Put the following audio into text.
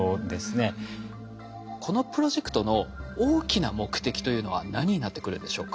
このプロジェクトの大きな目的というのは何になってくるんでしょうか？